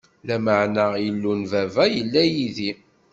Lameɛna Illu n baba yella yid-i.